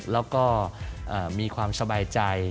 แล้วก็มีความสบายใจ